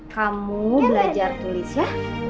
kamu belajar tulis ya